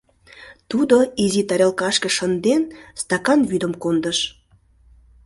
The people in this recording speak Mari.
Тудо, изи тарелкашке шынден, стакан вӱдым кондыш.